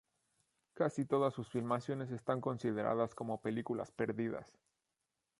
Casi todas sus filmaciones están consideradas como películas perdidas.